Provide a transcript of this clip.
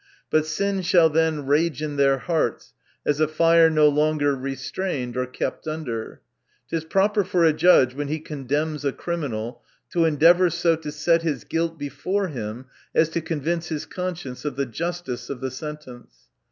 But sin shall then rage in their hearts as a fire no longer restrained or kept under. It is proper for a judge when he condemns a criminal, to endeavor so to set his guilt before him as to convince his conscience of the justice of the sentence.